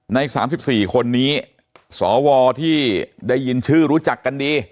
ใน๓๔คนนี้สวที่ได้ยินชื่อรู้จักกันดี